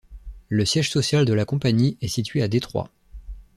Le siège social de la compagnie est situé à Détroit.